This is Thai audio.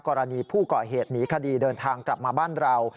กรณีผู้ก่อเหตุหนีคดีเดินทางกลับมาบ้านเรา